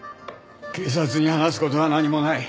警察に話す事は何もない。